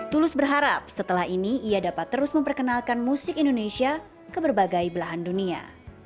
tulus berharap setelah ini ia dapat terus memperkenalkan musik indonesia ke berbagai belahan dunia